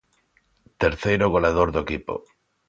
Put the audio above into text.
Terceiro goleador do equipo.